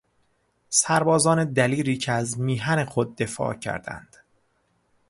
سربازان دلیری که از میهن خود دفاع کردند